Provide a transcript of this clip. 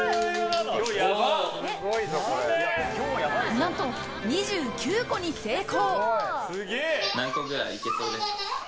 何と、２９個に成功。